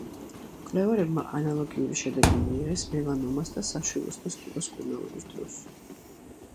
მკვლევარებმა ანალოგიური შედეგი მიიღეს მელანომას და საშვილოსნოს კიბოს მკურნალობის დროს.